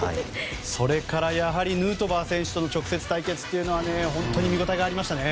それからやはりヌートバー選手との直接対決は本当に見応えがありましたね。